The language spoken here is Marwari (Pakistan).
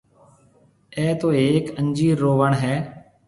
اَي تو هيڪ انجير رو وڻ هيَ۔